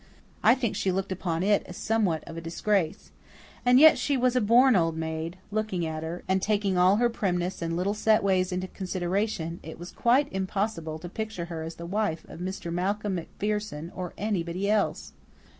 I think she looked upon it as somewhat of a disgrace. And yet she was a born old maid; looking at her, and taking all her primness and little set ways into consideration, it was quite impossible to picture her as the wife of Mr. Malcolm MacPherson, or anybody else.